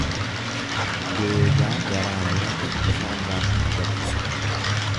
Deegaa garaa murate bishaan raafuutu gabbisa.